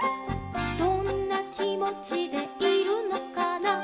「どんなきもちでいるのかな」